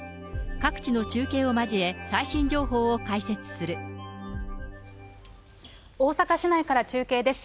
各地の中継を交え、最新情報を解大阪市内から中継です。